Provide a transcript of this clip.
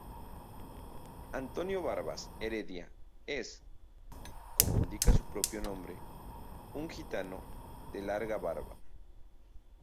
Antonio Barbas Heredia es, como indica su propio nombre, un gitano de larga barba.